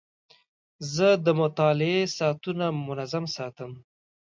زه د مطالعې ساعتونه منظم ساتم.